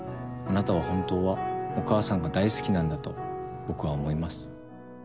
あなたは本当はお母さんが大好きなんだと僕は思います。